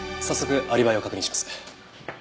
早速アリバイを確認します。